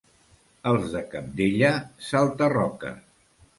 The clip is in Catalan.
Els de Cabdella, salta-roques.